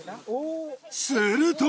すると。